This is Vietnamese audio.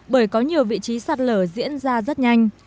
bởi có nhiều vị trí sạt lở diễn ra rất nhanh